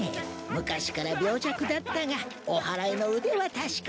昔から病弱だったがおはらいの腕は確かじゃよ。